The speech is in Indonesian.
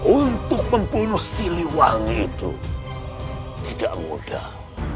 untuk membunuh siliwangi itu tidak mudah